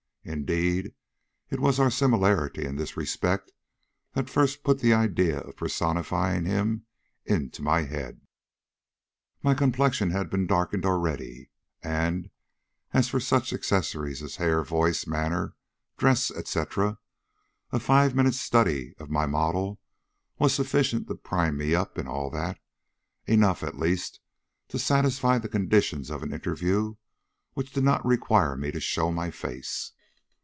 Indeed, it was our similarity in this respect that first put the idea of personifying him into my head. My complexion had been darkened already, and, as for such accessories as hair, voice, manner, dress, etc., a five minutes' study of my model was sufficient to prime me up in all that enough, at least, to satisfy the conditions of an interview which did not require me to show my face."